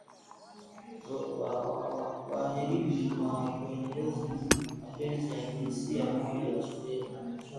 Wa elimu kwa kuendekeza mapenzi ya jinsia moja shuleni